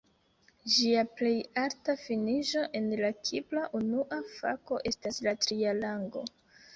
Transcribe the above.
Ĝia plej alta finiĝo en la Kipra Unua Fako estas la tria rango.